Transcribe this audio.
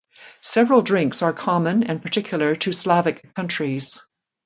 Several drinks are common and particular to Slavic countries.